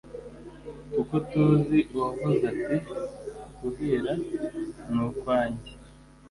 Kuko tuzi uwavuze ati Guh ra ni ukwanjye